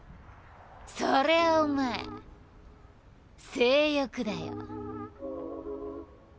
それはお前性欲だよ。